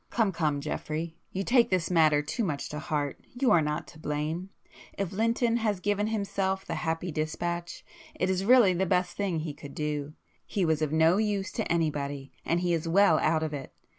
Come come, Geoffrey, you take this matter too much to heart,—you are not to blame. If Lynton has given himself the 'happy dispatch' it is really the best thing he could do,—he was of no use to anybody, and he is well out of it.